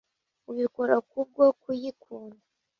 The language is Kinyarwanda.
ubikora kubwo kuyikunda.